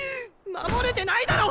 守れてないだろ。